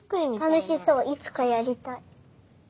たのしそういつかやりたい。